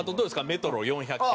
メトロ４００系。